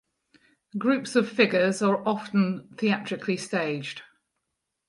Groups of figures are often theatrically staged.